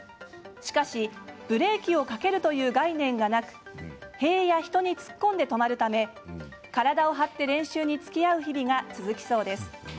しかしブレーキをかけるという概念がなく、塀や人に突っ込んで止まるため体を張って練習につきあう日々が続きそうです。